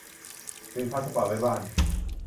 ลืมพาสปอร์ตไว้บ้าน